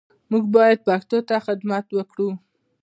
موږ باید پښتو ته خدمت وکړو